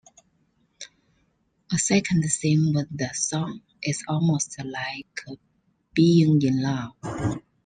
A second theme was the song It's Almost Like Being in Love.